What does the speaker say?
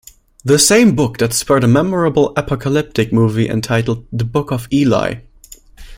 The same book that spurred a memorable apocalyptic movie entitled, "The Book of Eli".